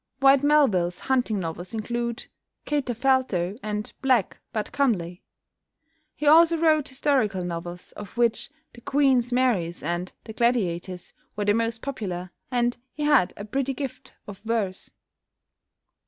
Whyte Melville's hunting novels include "Katerfelto" and "Black but Comely." He also wrote historical novels, of which "The Queen's Maries" and "The Gladiators" were the most popular, and he had a pretty gift of verse.